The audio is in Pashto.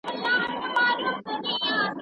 انسانان بايد د بنديانو په توګه ژوند ونه کړي.